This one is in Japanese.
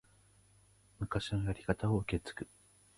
昔のやり方を受け継ぐ